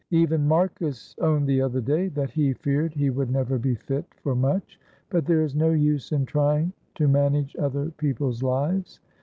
Eyen Marcus owned the other day that he feared he would never be fit for much. But there is no use in trying to manage other people's lives.